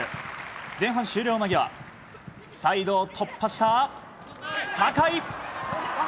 前半終了間際サイドを突破した酒井！